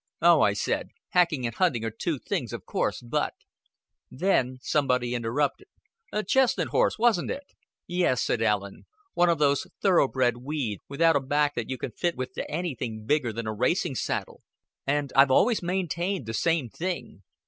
'Oh,' I said, 'hacking and hunting are two things, of course, but '" Then somebody interrupted. "Chestnut horse, wasn't it?" "Yes," said Allen, "one of these thoroughbred weeds, without a back that you can fit with to anything bigger than a racing saddle; and I've always maintained the same thing.